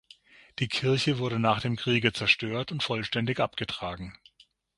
Die Kirche wurde nach dem Kriege zerstört und vollständig abgetragen.